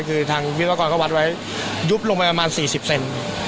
คือทางวิศวกรก็วัดไว้ยุบลงไปประมาณ๔๐เซน